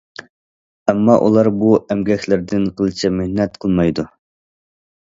ئەمما ئۇلار بۇ ئەمگەكلىرىدىن قىلچە مىننەت قىلمايدۇ.